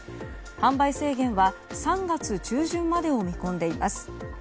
販売制限は３月中旬までを見込んでいます。